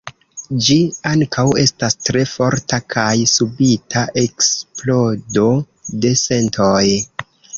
Ĝi ankaŭ estas tre forta kaj subita eksplodo de sentoj.